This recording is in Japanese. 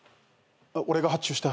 俺が発注した。